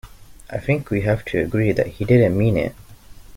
I think we have to agree that he didn't mean it.